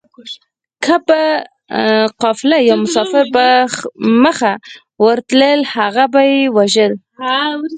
که به قافله يا مسافر په مخه ورتلل هغه به يې وژل